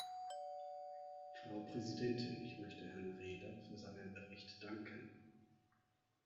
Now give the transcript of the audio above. Frau Präsidentin, ich möchte Herrn Rehder für seinen Bericht danken.